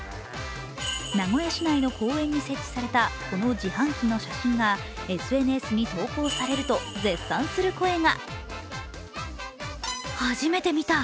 名古屋市内の公園に設置されたこの自販機の写真がＳＮＳに投稿されると、絶賛する声が。